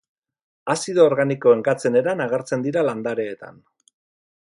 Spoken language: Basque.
Azido organikoen gatzen eran agertzen dira landareetan.